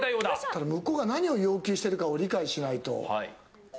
ただ向こうが何を要求しているかを理解しないと。